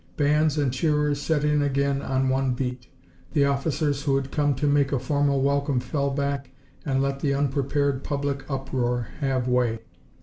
Bands and cheerers set in again on one beat. The officers who had come to make a formal welcome fell back and let the unprepared public uproar have way.